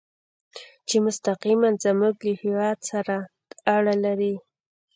چې مستقیماً زموږ له هېواد سره اړه لري.